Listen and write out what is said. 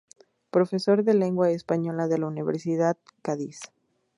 Profesor de Lengua Española de la Universidad de Cádiz.